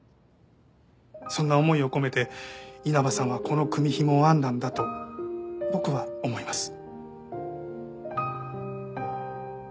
そんな思いを込めて稲葉さんはこの組紐を編んだんだと僕は思います。